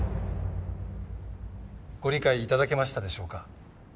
ご理解頂けましたでしょうか？